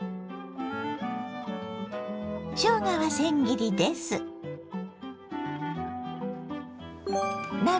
しょうがはせん切りです。